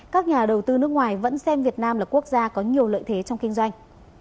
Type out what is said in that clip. các nhà đầu tư nước ngoài vẫn xem việt nam là quốc gia có nhiều lợi thế trong kinh doanh